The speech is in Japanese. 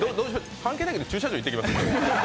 関係ないけど駐車場行ってきます？